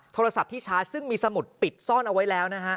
โทรศัพท์ที่ชาร์จซึ่งมีสมุดปิดซ่อนเอาไว้แล้วนะฮะ